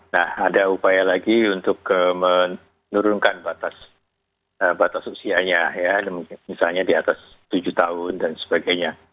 nah ada upaya lagi untuk menurunkan batas usianya ya misalnya di atas tujuh tahun dan sebagainya